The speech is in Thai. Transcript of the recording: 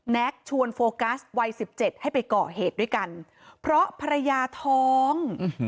แน็กชวนโฟกัสวัย๑๗ให้ไปก่อเหตุด้วยกันเพราะภรรยาท้อง